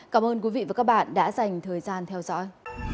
cảm ơn quý vị và các bạn đã dành thời gian theo dõi